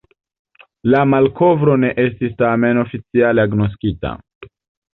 La malkovro ne estis tamen oficiale agnoskita.